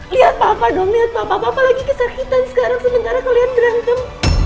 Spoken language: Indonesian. lihat papa dong apalagi kesakitan sekarang sedangkan kalian berantem